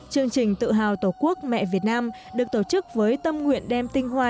chương trình tự hào tổ quốc mẹ việt nam được tổ chức với tâm nguyện đem tinh hoa